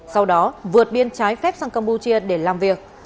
sau đó vượt biên trái phép sang campuchia để làm việc